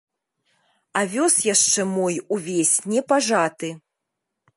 Авёс яшчэ мой увесь не пажаты.